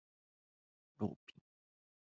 ローピン